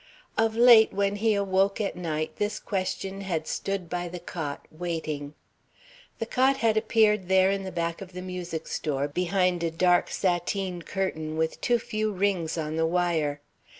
Of late when he awoke at night this question had stood by the cot, waiting. The cot had appeared there in the back of the music store, behind a dark sateen curtain with too few rings on the wire.